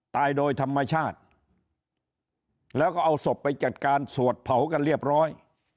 ตายโดยธรรมชาติแล้วก็เอาศพไปจัดการสวดเผากันเรียบร้อย